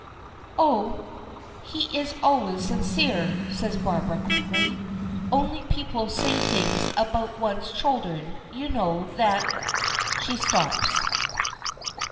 "Oh! he is always sincere," says Barbara, quickly; "only people say things about one's children, you know, that " She stops.